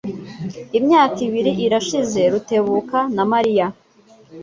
Imyaka ibiri irashize Rutebuka na Mariya